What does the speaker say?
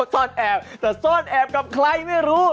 ซ่อนแอบแต่ซ่อนแอบกับใครไม่รู้